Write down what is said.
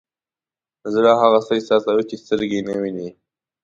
زړه هغه څه احساسوي چې سترګې یې نه ویني.